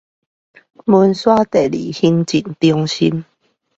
文山第二行政中心